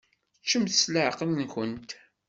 Ččemt s leɛqel-nkent.